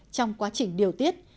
trong quá trình điều tiết